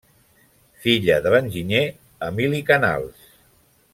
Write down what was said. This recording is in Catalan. Filla de l'enginyer Emili Canals.